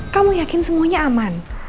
kamu yakin semuanya aman